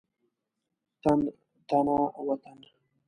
تن تنا وطن.